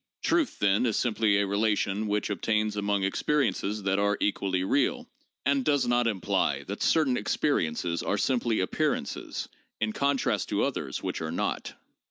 Truth, then, is simply a relation which obtains among experiences that are equally real, and does not imply that certain experiences are simply appearances, in contrast to others which are not.